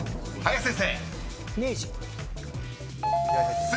［林先生］